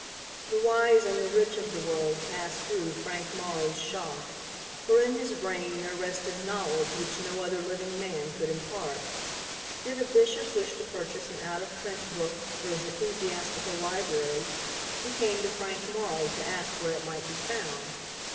The wise and the rich of the world passed through Frank Morrow's shop, for in his brain there rested knowledge which no other living man could impart. Did a bishop wish to purchase an out of print book for his ecclesiastical library, he came to Frank Morrow to ask where it might be found.